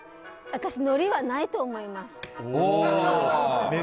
私、のりはないと思います。